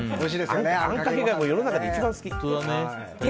あんかけが世の中で一番好き。